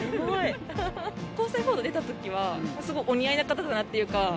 交際報道出たときは、すごくお似合いな方だなって。